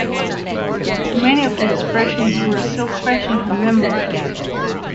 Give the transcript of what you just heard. Many of his expressions were still fresh in her memory.